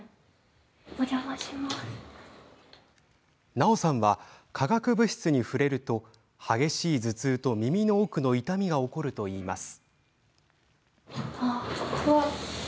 奈緒さんは化学物質に触れると激しい頭痛と耳の奥の痛みが起こるといいます。